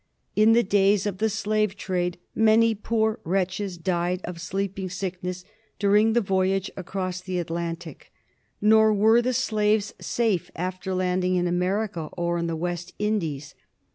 In the days of the slave trade many poor wretches died of Sleeping Sickness during the voyage across the Atlantic. Nor were the slaves safe after landing in America or in the West Indies.